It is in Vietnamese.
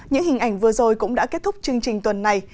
những hình ảnh vừa rồi cũng đã kết thúc chương trình tuần này